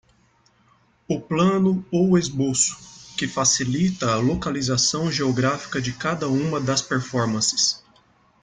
O plano ou esboço, que facilita a localização geográfica de cada uma das performances.